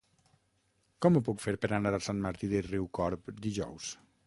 Com ho puc fer per anar a Sant Martí de Riucorb dijous?